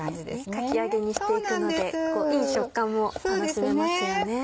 かき揚げにしていくのでいい食感も楽しめますよね。